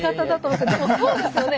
でもそうですよね。